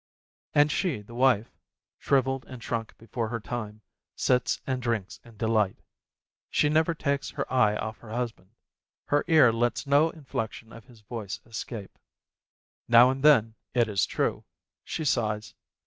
And she, the wife, shrivelled and shrunk before her time, sits and drinks in delight. She never takes her A WOMAN'S WRATH 57 eye off her husband, her ear lets no inflection of his voice escape. Now and then, it is true, she sighs.